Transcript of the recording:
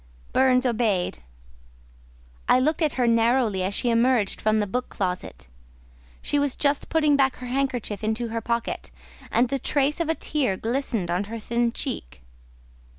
Burns obeyed: I looked at her narrowly as she emerged from the book closet; she was just putting back her handkerchief into her pocket, and the trace of a tear glistened on her thin cheek.